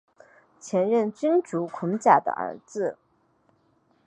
前任君主孔甲的儿子。